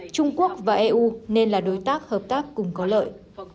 trung quốc và eu nên là đối tác hợp tác cùng có lợi